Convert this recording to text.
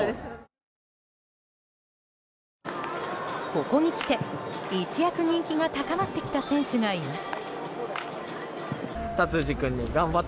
ここにきて、一躍人気が高まってきた選手がいます。